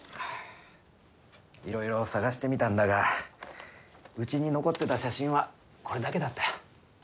いろいろ探してみたんだがうちに残ってた写真はこれだけだった。